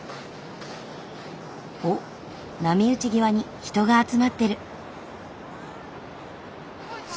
おっ波打ち際に人が集まってる。